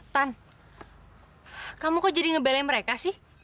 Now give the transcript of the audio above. tan kamu kok jadi ngebele mereka sih